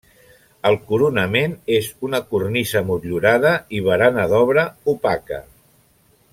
El coronament és una cornisa motllurada i barana d'obra opaca.